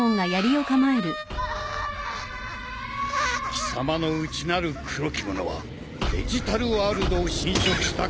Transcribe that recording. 貴様の内なる黒きものはデジタルワールドを侵食した元凶だ！